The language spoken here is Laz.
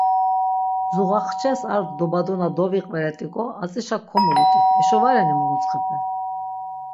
Zuğaxçes ar dobadona doviqveret̆ik̆o atzişa komulut̆it, eşo va reni muruntsxepe?